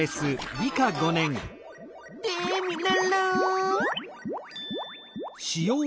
テミルンルン！